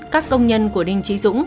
các công nhân của đinh trí dũng